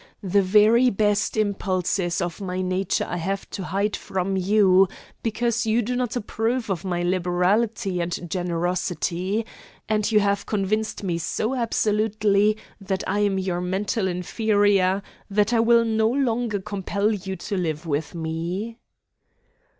'The very best impulses of my nature I have to hide from you, because you do not approve of my liberality and generosity. 'And you have convinced me so absolutely that I am your mental inferior, that I will no longer compel you to live with me.'